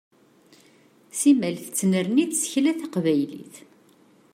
Simmal tettnerni tsekla taqnaylit.